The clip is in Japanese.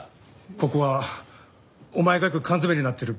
ここはお前がよく缶詰めになってる別荘なんだろ？